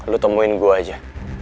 lu temuin gua aja